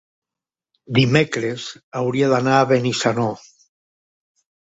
Dimecres hauria d'anar a Benissanó.